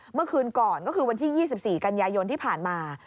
เมื่อคืนก่อนก็คือวันที่๒๔กันยายนที่ผ่านมา